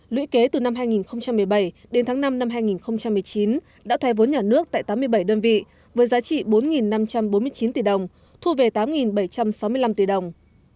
lũy kế từ năm hai nghìn một mươi bảy đến tháng năm năm hai nghìn một mươi chín đã thoái vốn nhà nước tại tám mươi bảy đơn vị với giá trị bốn năm trăm bốn mươi chín tỷ đồng thu về tám bảy trăm sáu mươi năm tỷ đồng